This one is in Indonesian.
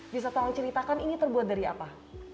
bisa tolong ceritakan ini terbuat dari apa